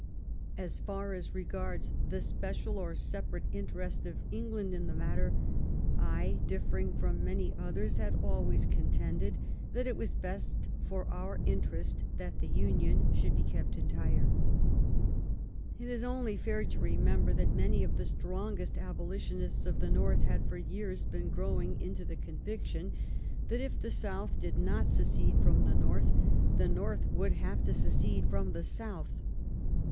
As far as regards the special or separate interest of England in the matter, I, differing from many others, had always contended that it was best for our interest that the Union should be kept entire." It is only fair to remember that many of the strongest abolitionists of the North had for years been growing into the conviction 240 THE STORY OF GLADSTONE'S LIFE that if the South did not secede from the North, the North would have to secede from the South.